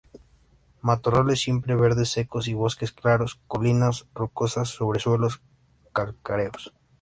Matorrales siempre verdes, secos, y bosques claros, colinas rocosas, sobre suelos calcáreos.